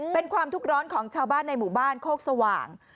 เป็นความทุกข์ร้อนของชาวบ้านในหมู่บ้านโคกสว่าง